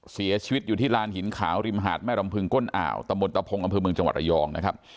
เสียชีวิตอยู่ที่ลานหินขาวริมหาดแม่รำพึงก้นอ่าวตะมนตะพงอำเภอเมืองจังหวัดระยองนะครับ